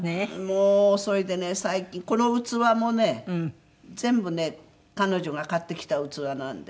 もうそれでね最近この器もね全部ね彼女が買ってきた器なんですよ。